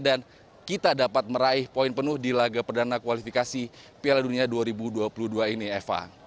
dan kita dapat meraih poin penuh di laga perdana kualifikasi piala dunia dua ribu dua puluh dua ini eva